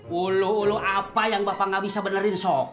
lho lho lho apa yang bapak gak bisa benerin sok